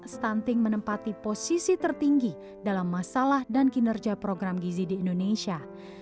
stunting menempati posisi tertinggi dalam masalah dan kinerja program gizi di indonesia